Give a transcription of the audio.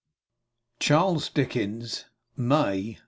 CHARLES DICKENS. May, 1868.